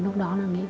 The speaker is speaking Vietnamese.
lúc đó là nghĩ